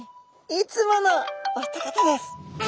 いつものお二方です。